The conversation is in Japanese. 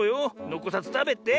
のこさずたべて。